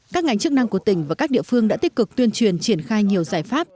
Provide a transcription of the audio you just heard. các ngành chức năng của tỉnh và các địa phương đã tích cực tuyên truyền triển khai nhiều giải pháp